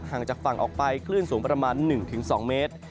จากฝั่งออกไปคลื่นสูงประมาณ๑๒เมตร